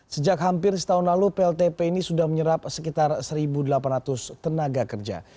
sejak hampir setahun lalu pltp ini sudah menyerap sekitar satu delapan ratus tenaga kerja